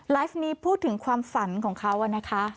นี้พูดถึงความฝันของเขานะคะ